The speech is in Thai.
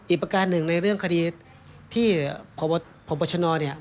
ประการหนึ่งในเรื่องคดีที่พบชนเนี่ย